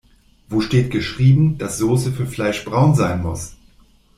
Wo steht geschrieben, dass Soße für Fleisch braun sein muss?